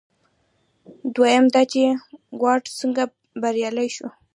دویم دا چې واټ څنګه بریالی شو.